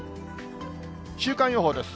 週間予報です。